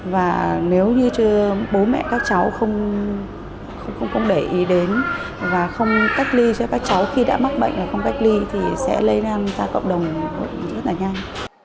và nếu như bố mẹ các cháu không để ý đến và không cách ly cho các cháu khi đã mắc bệnh là không cách ly thì sẽ lây lan ra cộng đồng rất là nhanh